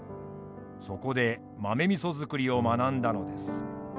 そこで豆味造りを学んだのです。